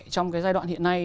trong cái giai đoạn hiện nay